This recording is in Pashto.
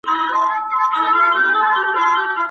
o له تندو اوبو مه بېرېږه، له مړامو اوبو وبېرېږه.